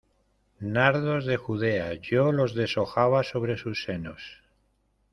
¡ nardos de Judea, yo los deshojaba sobre sus senos!